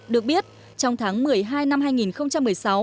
được biết trong tháng một mươi hai năm hai nghìn một mươi sáu